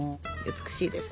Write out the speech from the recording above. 美しいですね。